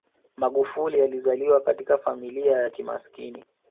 magufuli alizaliwa katika familia ya kimaskini